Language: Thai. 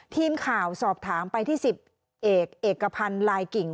ทีมข่าวสอบถามไปที่๑๐เอกเอกพันธ์ลายกิ่ง